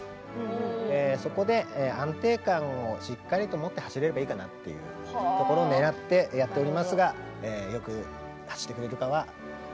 そこで安定感をしっかりと持って走れればいいかなっていうところをねらってやっておりますがよく走ってくれるかはこの子しだいです。